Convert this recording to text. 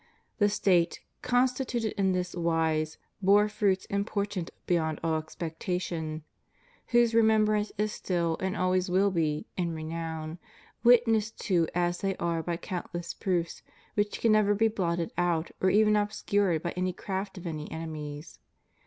The State, constituted in this wise, bore fruits important beyond all expectation, whose remembrance is still, and always will be, in renown, witnessed to as they are by countless proofs which can never be blotted out or even obscured by any craft of any enemies.